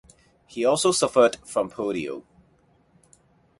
He also suffered from polio.